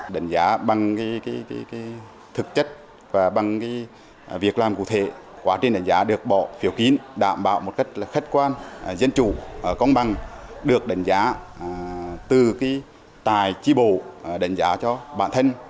đánh giá bằng thực chất và bằng việc làm cụ thể quá trình đánh giá được bỏ phiếu kín đảm bảo một cách khách quan dân chủ công bằng được đánh giá từ cái tài tri bộ đánh giá cho bản thân